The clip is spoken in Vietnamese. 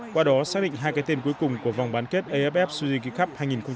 qua đó xác định hai cái tên cuối cùng của vòng bán kết aff suzy cup hai nghìn một mươi tám